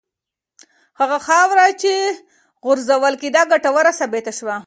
هغه خاوره چې غورځول کېده ګټوره ثابته شوه.